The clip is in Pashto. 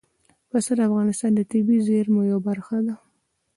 پسه د افغانستان د طبیعي زیرمو یوه برخه ده.